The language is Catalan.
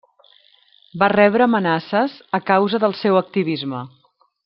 Va rebre amenaces a causa del seu activisme.